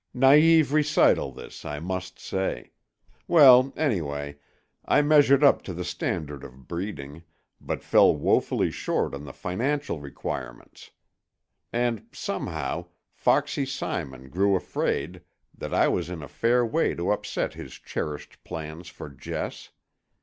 Naive recital this, I must say. Well, anyway, I measured up to the standard of breeding, but fell wofully short on the financial requirements. And, somehow, foxy Simon grew afraid that I was in a fair way to upset his cherished plans for Jess.